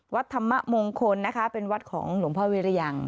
วัดธรรมมงคลนะคะเป็นวัดของหลวงพ่อวิรยัง